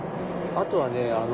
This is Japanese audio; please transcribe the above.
あとはね